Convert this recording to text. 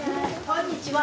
こんにちは。